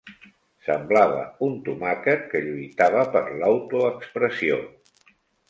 Semblava un tomàquet que lluitava per l'autoexpressió.